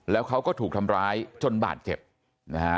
แล้วเขาก็ถูกทำร้ายจนบาดเจ็บนะฮะ